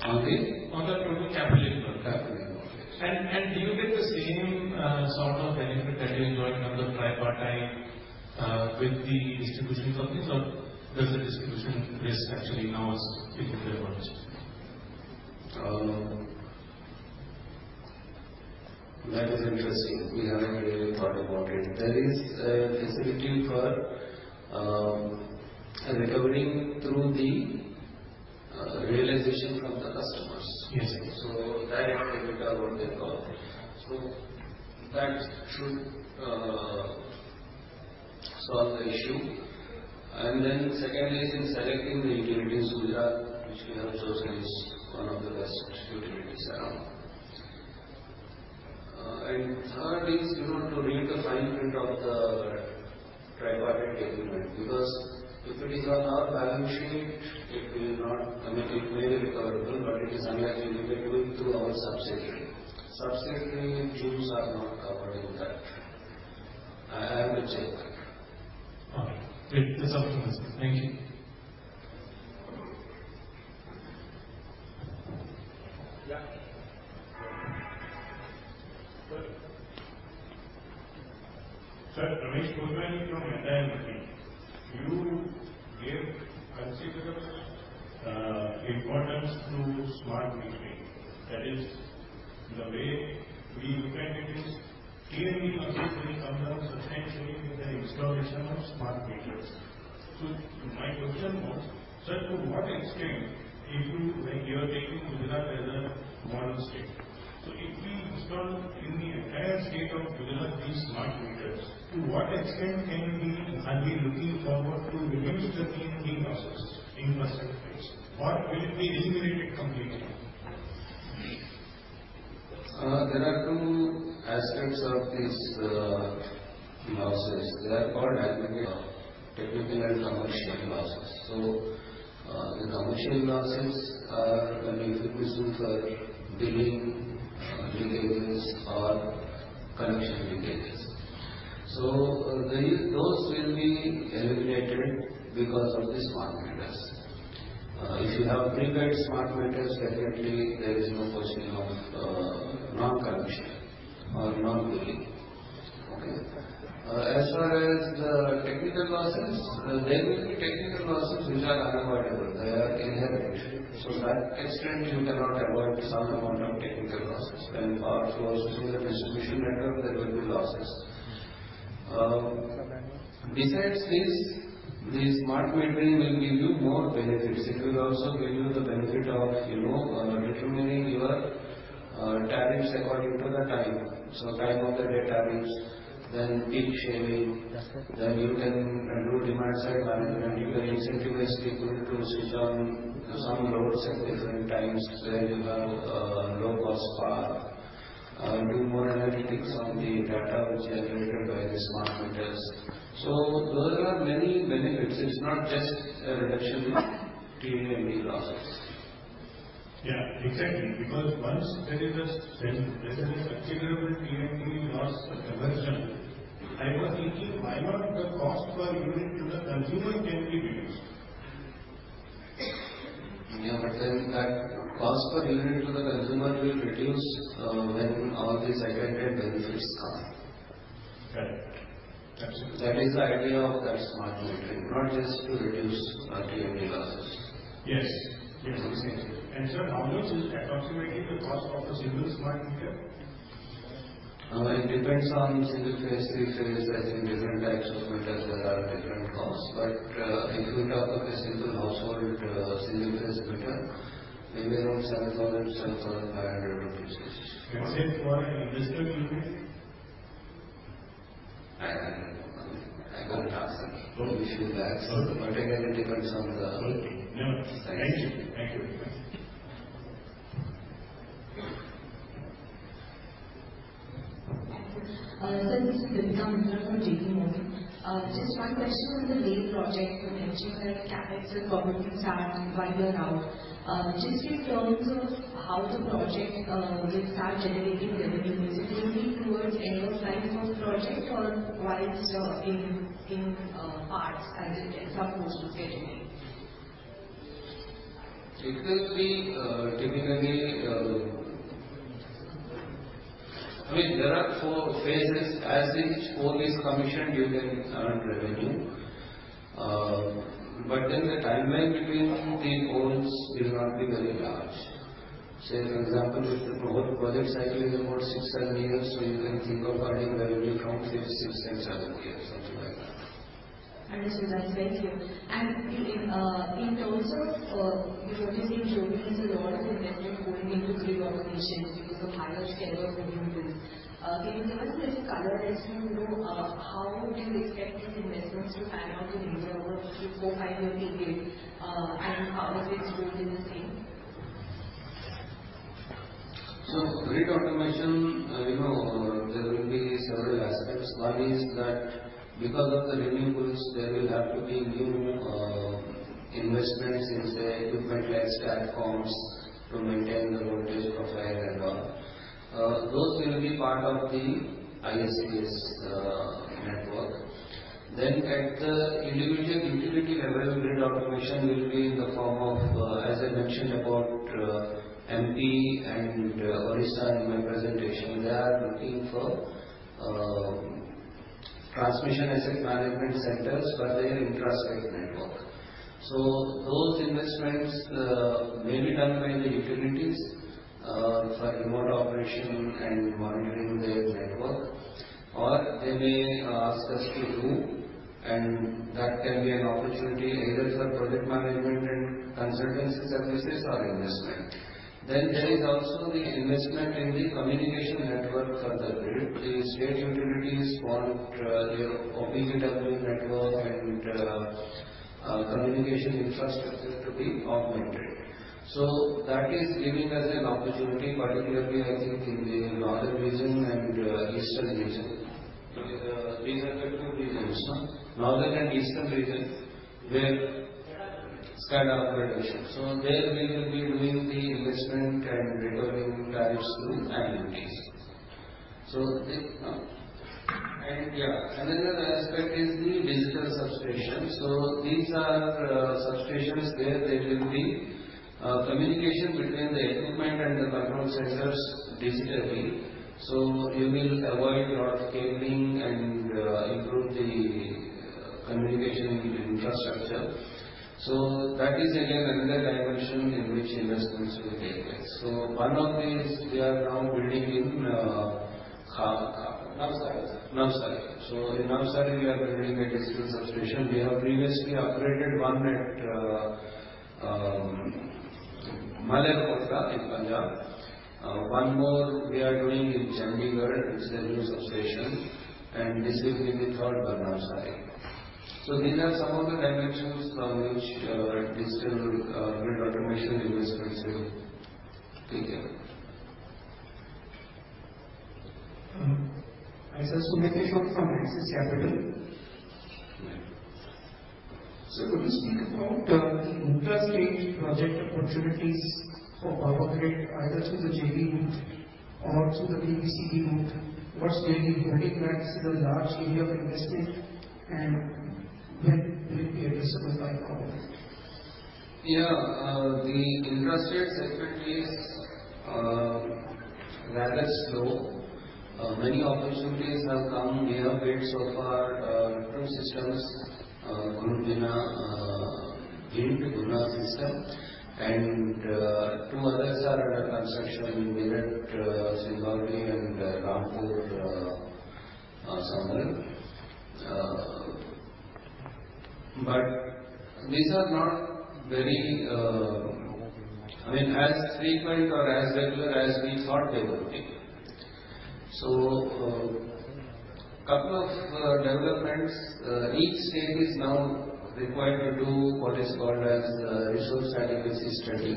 On the? On the total capital employed. Capital employed. Do you get the same sort of benefit that you enjoyed under tripartite with the distribution companies or does the distribution risk actually now is significantly reduced? That is interesting. We haven't really thought about it. There is a facility for recovering through the realization from the customers. Yes, sir. That amount we will talk about later on. That should solve the issue. Secondly is in selecting the utilities Gujarat, which we have chosen, is one of the best utilities around. Third is, you know, to read the fine print of the tripartite agreement because if it is on our balance sheet it will not. I mean, it may be recoverable, but it is only recoverable through our subsidiary. Subsidiary dues are not covered in that. I will check. All right. That's all from us, sir. Thank you. Yeah. Sir, Ramesh Poddar from India IIFL You gave considerable importance to smart metering. That is the way we look at it is T&D losses will come down substantially with the installation of smart meters. My question was, sir, to what extent when you are taking Gujarat as a model state. If we install in the entire state of Gujarat these smart meters, to what extent are we looking forward to reduce the T&D losses in percentage? What will be eliminated completely? There are two aspects of these losses. They are called as technical and commercial losses. The commercial losses are when you do this with billing delays or connection delays. Those will be eliminated because of the smart meters. If you have prepaid smart meters, definitely there is no question of non-connection or non-billing. Okay? As far as the technical losses, there will be technical losses which are unavoidable. They are inherent. That extent you cannot avoid some amount of technical losses. When power flows through a distribution network, there will be losses. Besides this, the smart metering will give you more benefits. It will also give you the benefit of, you know, determining your tariffs according to the time. Time of the day tariffs, then peak shaving. Yes, sir. You can do demand side management. You can incentivize people to switch on some loads at different times where you have low-cost power. Do more analytics on the data which is generated by the smart meters. There are many benefits. It's not just a reduction in T&D losses. Yeah, exactly. Because once there is a considerable T&D loss conversion, I was thinking why not the cost per unit to the consumer can be reduced? Yeah, that cost per unit to the consumer will reduce, when all these attendant benefits come. Right. Absolutely. That is the idea of that smart metering, not just to reduce T&D losses. Yes. Yes, I see. Sir, how much is approximately the cost of a single smart meter? It depends on single phase, three phase. I think different types of meters there are different costs. If you talk of a single household, single phase meter, maybe around 7,000-7,500 rupees it is. Same for industrial units? I don't know. I haven't asked them. Okay. Few bags. Okay. Again, it depends on the. Okay. No. -size. Thank you. Thank you. Sir, this is Divya Mundra from JM Financial. Just one question on the Leh project, you mentioned that CapEx and corporate can start right around. Just in terms of how the project will start generating revenue, is it going to be towards end of life of project or while it's in parts as opposed to scheduling? It will be, typically, I mean, there are four phases. As each pole is commissioned, you can earn revenue. Then the time lag between the poles will not be very large. Say for example, if the whole project cycle is about six-seven -years, you can think of earning revenue from fifth, sixth and seventh year, something like that. Understood. Thank you. In terms of, you know, you're seeing globally there's a lot of investment going into grid automations because of higher scale of renewables. Can you give us a little color as to, you know, how would you expect these investments to pan out in India over the next three-five-year period? Are the states doing the same? Grid automation, you know, there will be several aspects. One is that because of the renewables, there will have to be new investments in, say, equipment like STATCOMs to maintain the voltage profile and all. Those will be part of the ISTS network. At the utility level, grid automation will be in the form of, as I mentioned about, MP and Orissa in my presentation, they are looking for transmission asset management centers for their intrastate network. Those investments may be done by the utilities for remote operation and monitoring their network, or they may ask us to do, and that can be an opportunity either for project management and consultancy services or investment. There is also the investment in the communication network for the grid. The state utilities want their OPGW network and communication infrastructure to be augmented. That is giving us an opportunity, particularly I think in the northern region and eastern region. These are the two regions, no? Northern and eastern regions where SCADA operations. There we will be doing the investment and recovering tariffs through annuities. Another aspect is the digital substation. These are substations where there will be communication between the equipment and the control centers digitally. You will avoid lot of cabling and improve the communication infrastructure. That is again another dimension in which investments will take place. One of these we are now building in Navsari. In Navsari, we are building a digital substation. We have previously upgraded one at Malerkotla in Punjab. One more we are doing in Chandigarh, it's a new substation, and this will be the third one, Navsari. These are some of the dimensions from which digital grid automation investments will take care. Hi, sir. Sumesh from Nuvama Capital. Yeah. Sir, could you speak about the intrastate project opportunities for Power Grid, either through the JV route or through the TBCB route? What's really holding back the large scale of investment and when will it be addressable by Power Grid? Yeah. The intrastate segment is rather slow. Many opportunities have come. We have built so far two systems, Gung-Jina in Guna system, and two others are under construction in Meerut, Siddharthnagar and Kanpur, Sambhal. These are not very, I mean, as frequent or as regular as we thought they would be. Couple of developments. Each state is now required to do what is called as resource adequacy study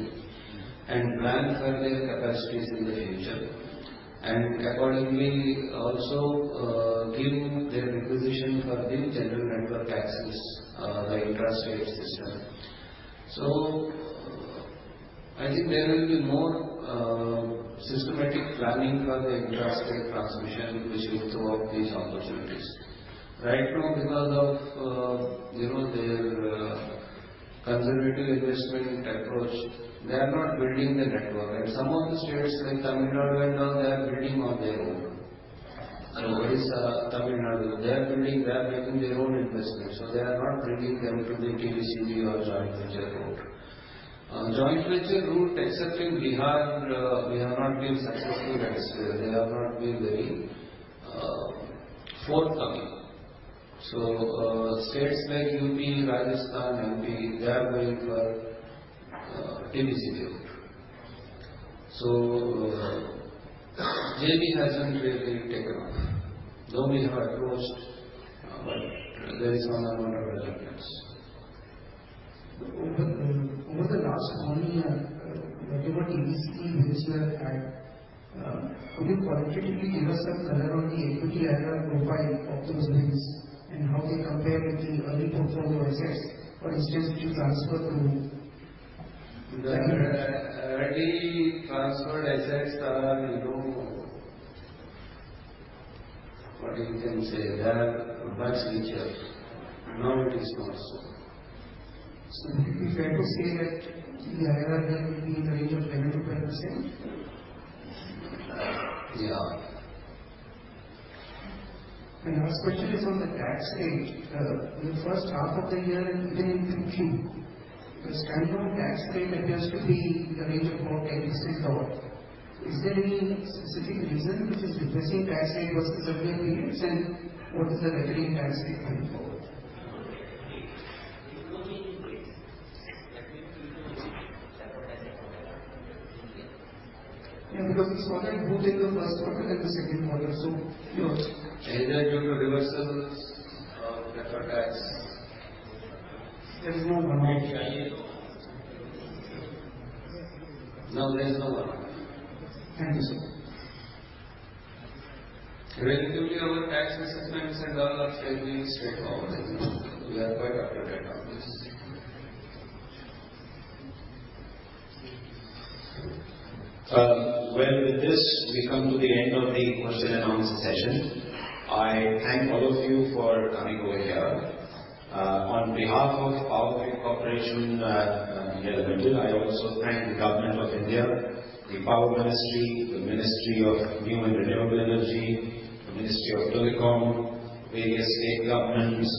and plan for their capacities in the future, and accordingly also give their requisition for the General Network Access, the intrastate system. I think there will be more systematic planning for the intrastate transmission which will throw up these opportunities. Right now because of you know their conservative investment approach, they are not building the network. Some of the states like Tamil Nadu and all, they are building on their own. Odisha, Tamil Nadu, they are building, they are making their own investment, so they are not bringing them to the TBCB or joint venture route. Joint venture route, except in Bihar, and we have not been successful, that is where they have not been very forthcoming. States like UP, Rajasthan, MP, they are going for TBCB route. JV hasn't really taken off, though we have approached, but there is not a lot of relevance. Over the last one year, whatever TBCB business you had, could you qualitatively give us some color on the equity IRR profile of those bids and how they compare with the earlier performed projects, for instance, which you transferred to? The early transferred assets are, you know, what you can say, they have much richer. Now it is not so. Is it fair to say that the IRR there will be in the range of 10%-12%? Yeah. My last question is on the tax rate. In the H1 of the year, it has been pretty strong. Tax rate appears to be in the range of about 10%. Is there any specific reason which is depressing tax rate versus earlier periods? What is the recurring tax rate going forward? Yeah, because it's got a booking in the first quarter and the second quarter. Either due to reversals or deferred tax. There is no one. No, there is no one. Thank you, sir. Relatively, our tax assessments and all are fairly straightforward. We are quite upfront on this. Well, with this we come to the end of the question and answer session. I thank all of you for coming over here. On behalf of Power Grid Corporation of India Limited, I also thank the Government of India, the Ministry of Power, the Ministry of New and Renewable Energy, the Ministry of Communications, various state governments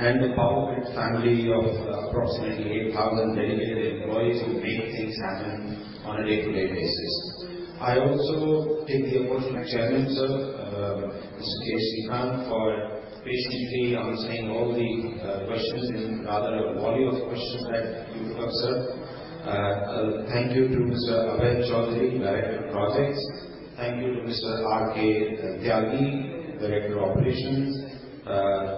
and the Power Grid family of approximately 8,000 dedicated employees who make things happen on a day-to-day basis. I also take the opportunity to thank Chairman, sir, Mr. Kandikuppa Sreekant, for patiently answering all the questions in rather a volume of questions that you took, sir. Thank you to Mr. Abhay Choudhary, Director of Projects. Thank you to Mr. Ravindra Kumar Tyagi, Director of Operations.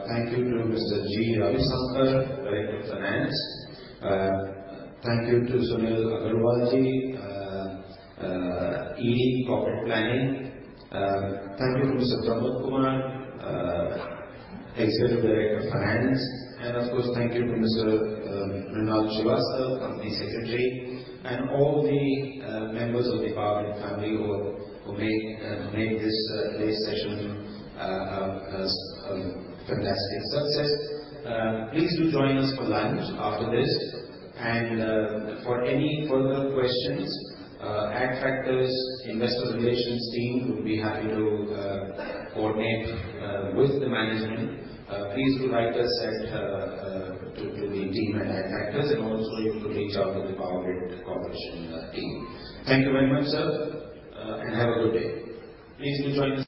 Thank you to Mr. G. Ravisankar, Director of Finance. Thank you to Sunil Agarwalji, ED Corporate Planning. Thank you to Mr. Pramod Kumar, Executive Director of Finance. Of course, thank you to Mr. Mrinal Shrivastava, Company Secretary, and all the members of the Power Grid family who make this today's session a fantastic success. Please do join us for lunch after this. For any further questions, Adfactors Investor Relations team would be happy to coordinate with the management. Please do write us to the team at Adfactors and also you could reach out to the Power Grid Corporation team. Thank you very much, sir, and have a good day. Please do join us for lunch.